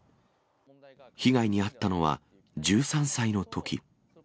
被害に遭ったのは、１３歳の時。